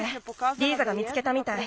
リーザが見つけたみたい。